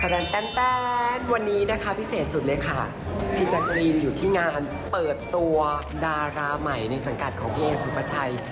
วันนี้นะคะพิเศษสุดเลยค่ะพี่แจ๊กรีนอยู่ที่งานเปิดตัวดาราใหม่ในสังกัดของพี่เอสุภาชัย